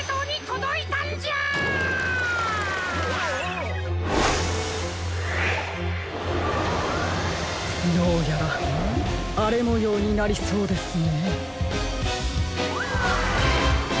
どうやらあれもようになりそうですね。